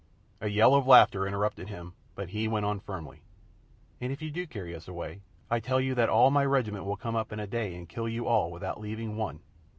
A yell of laughter interrupted him, but he went on firmly, "And if you do carry us away, I tell you that all my regiment will come up in a day and kill you all without leaving one.